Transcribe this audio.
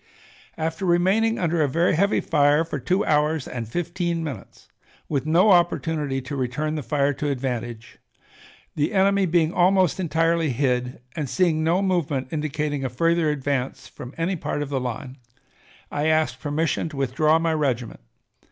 "After remaining under a very heavy fire for two hours and fifteen minutes, with no opportunity to return the fire to advantage, the enemy being almost entirely hid, and seeing no movement indicating a further advance from any part of the line, I asked permission to withdraw my regiment.